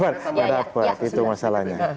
tidak dapat itu masalahnya